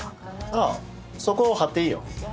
ああそこはっていいよ。